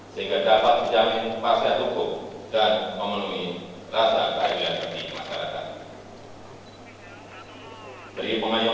sehingga lebih mudah lebih sederhana